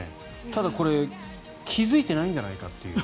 ただ、これ気付いてないんじゃないかという。